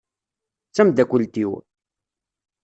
D tamdakelt-iw.